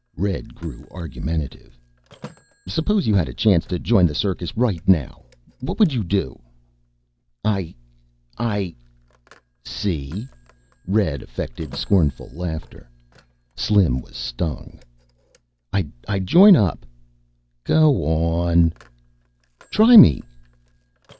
Red grew argumentative. "Suppose you had a chance to join the circus right now. What would you do?" "I I " "See!" Red affected scornful laughter. Slim was stung. "I'd join up." "Go on." "Try me."